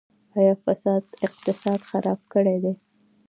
آیا فساد اقتصاد خراب کړی دی؟